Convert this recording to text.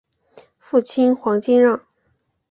父亲黄敬让。